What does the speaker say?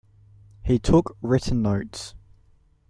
He took written notes.